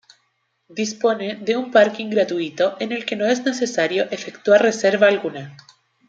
Dispone de un parking gratuito, en el que no es necesario efectuar reserva alguna.